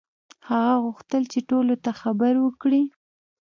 هغه غوښتل چې ټولو ته خبر وکړي.